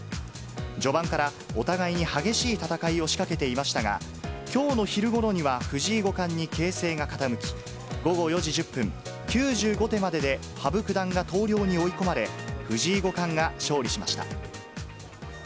序盤からお互いに激しい戦いを仕掛けていましたが、きょうの昼ごろには藤井五冠に形勢が傾き、午後４時１０分、９５手までで羽生九段が投了に追い込まれ、藤井五冠が勝利しまし